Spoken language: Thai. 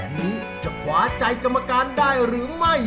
วันนี้จะขวาใจกรรมการได้หรือไม่